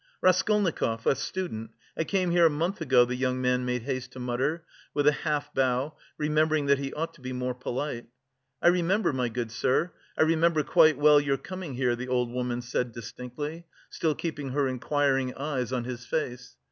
"Raskolnikov, a student, I came here a month ago," the young man made haste to mutter, with a half bow, remembering that he ought to be more polite. "I remember, my good sir, I remember quite well your coming here," the old woman said distinctly, still keeping her inquiring eyes on his face.